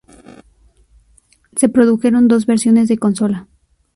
Se produjeron dos versiones de consola.